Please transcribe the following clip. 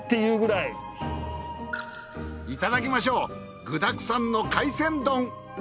いただきましょう具だくさんの海鮮丼。